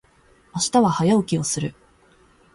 明日は早起きをする。